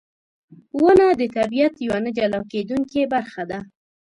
• ونه د طبیعت یوه نه جلا کېدونکې برخه ده.